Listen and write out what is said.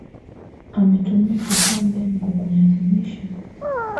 Ametumia kifaa gani kukulazimisha